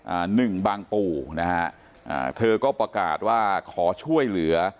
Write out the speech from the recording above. อ่าหนึ่งบางปู่นะฮะอ่าเธอก็ประกาศว่าขอช่วยเหลือ